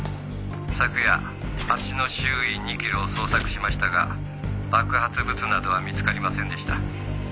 「昨夜橋の周囲２キロを捜索しましたが爆発物などは見つかりませんでした」